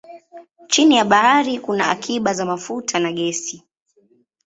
Chini ya bahari kuna akiba za mafuta na gesi.